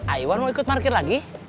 aiwan mau ikut market lagi